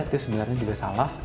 itu sebenarnya juga salah